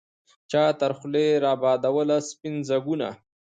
چا تر خولې را بادوله سپین ځګونه